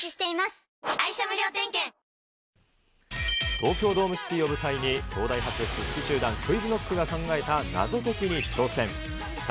東京ドームシティを舞台に、東大発知識集団ＱｕｉｚＫｎｏｃｋが考えた問題に挑戦。